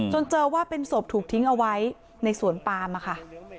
เจอว่าเป็นศพถูกทิ้งเอาไว้ในสวนปามค่ะ